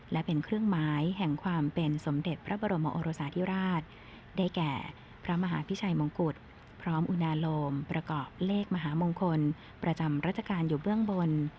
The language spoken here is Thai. และเป็นเครื่องหมายแห่งความเป็นสมเด็จพระบรมโอรสาธิราชได้แก่พระมหาพิชัยมงกุฎพร้อมอุณาโลมประกอบเลขมหามงคลประจำราชการอยู่เบื้องบน